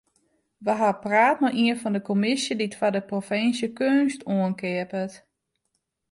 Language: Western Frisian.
We ha praat mei ien fan de kommisje dy't foar de provinsje keunst oankeapet.